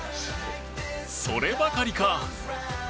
そればかりか。